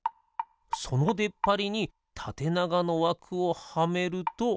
そのでっぱりにたてながのわくをはめると。